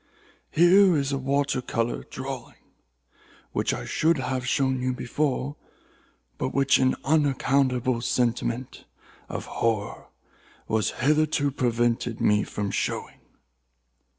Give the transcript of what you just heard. Here is a watercolor drawing, which I should have shown you before, but which an unaccountable sentiment of horror has hitherto prevented me from showing."